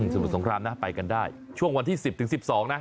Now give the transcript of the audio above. สมุทรสงครามนะไปกันได้ช่วงวันที่๑๐๑๒นะ